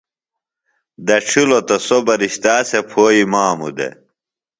دڇھِلوۡ تہ سوۡ بہ رِشتا سےۡ پھوئی ماموۡ دےۡ